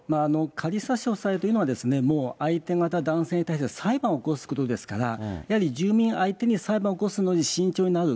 仮差し押さえっていうのは、もう相手方男性に対して裁判を起こすところですから、やはり住民相手に裁判を起こすのに慎重になる。